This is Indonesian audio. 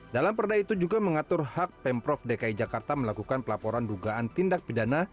dalam perda itu juga mengatur hak pemprov dki jakarta melakukan pelaporan dugaan tindak pidana